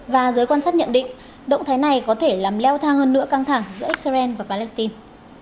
và giới quan sát nhận định động thái này có thể làm leo thang hơn nữa căng thẳng giữa israel và palestine